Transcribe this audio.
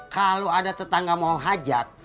kalau ada tetangga mau hajat